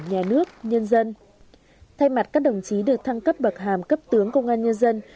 nhà nước nhân dân thay mặt các đồng chí được thăng cấp bậc hàm cấp tướng công an nhân dân